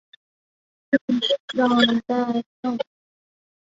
圣让代尚普。